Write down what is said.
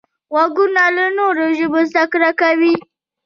غوږونه له نوو ژبو زده کړه کوي